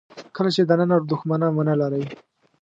کله چې دننه دوښمنان ونه لرئ.